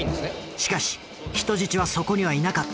しかし人質はそこにはいなかった。